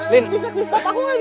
tidak bisa sakti